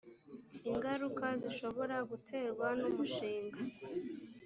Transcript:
ingaruka zishobora guterwa n umushinga